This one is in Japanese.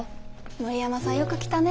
森山さんよく来たね。